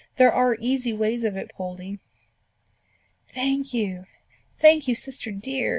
There are easy ways of it, Poldie." "Thank you! thank you, sister dear!"